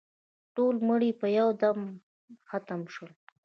ټول مړي په یو دم ختم شول.